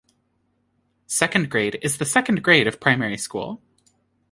Second grade is the second grade of primary school.